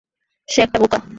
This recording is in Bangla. সে একটা বোকা।